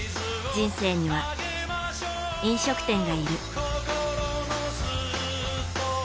人生には、飲食店がいる。